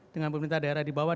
dengan pemerintah daerah di bawah